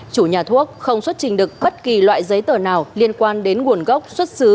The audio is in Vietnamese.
chủ nhà thuốc không xuất trình được bất kỳ loại giấy tờ nào liên quan đến nguồn gốc xuất xứ